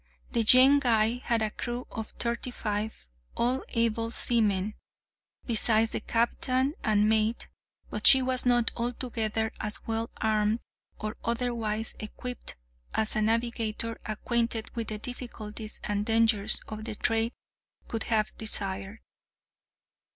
The Jane Guy had a crew of thirty five, all able seamen, besides the captain and mate, but she was not altogether as well armed or otherwise equipped, as a navigator acquainted with the difficulties and dangers of the trade could have desired.